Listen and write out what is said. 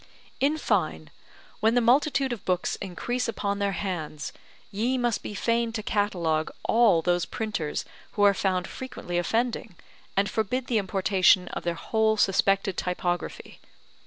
In fine, when the multitude of books increase upon their hands, ye must be fain to catalogue all those printers who are found frequently offending, and forbid the importation of their whole suspected typography.